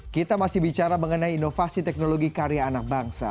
kita masih bicara mengenai inovasi teknologi karya anak bangsa